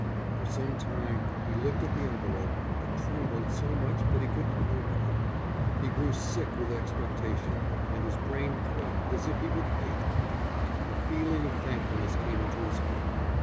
For some time he looked at the envelope, but trembled so much that he could not open it. He grew sick with expectation and his brain throbbed as if he would faint. A feeling of thankfulness came into his heart.